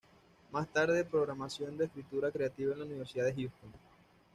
Más tarde programación de escritura creativa en la Universidad de Houston.